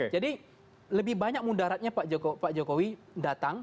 jadi lebih banyak mendaratnya pak jokowi datang